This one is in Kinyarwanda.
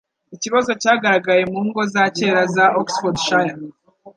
ikibazo cyagaragaye mu ngo za kera za Oxfordshire